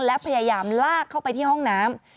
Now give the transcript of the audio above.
และพยายามลากเข้าไปที่ห้องน้ำ